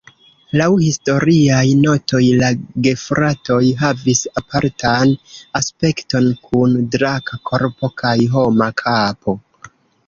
Laŭ historiaj notoj la gefratoj havis apartan aspekton kun draka korpo kaj homa kapo.